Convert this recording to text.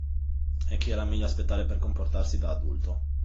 E che era meglio aspettare per comportarsi da adulto.